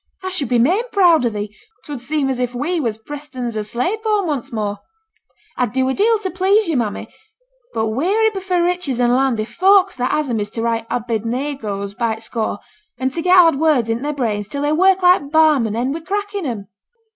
I should be main proud o' thee; 'twould seem as if we was Prestons o' Slaideburn once more.' 'I'd do a deal to pleasure yo', mammy; but weary befa' riches and land, if folks that has 'em is to write "Abednegos" by t' score, and to get hard words int' their brains, till they work like barm, and end wi' cracking 'em.'